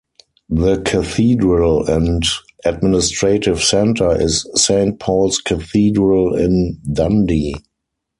The cathedral and administrative centre is Saint Paul's Cathedral in Dundee.